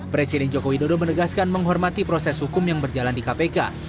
presiden joko widodo menegaskan menghormati proses hukum yang berjalan di kpk